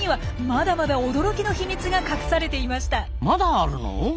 まだあるの？